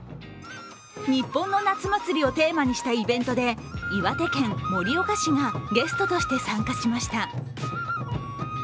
日本の夏祭りをテーマにしたイベントで岩手県盛岡市がゲストとして参加しました。